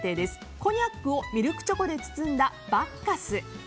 コニャックをミルクチョコで包んだ、バッカス。